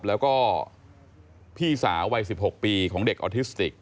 แล้วก็พี่สาววัย๑๖ปีของเด็กออทิสติก